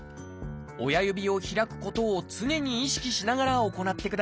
親指を開くことを常に意識しながら行ってください。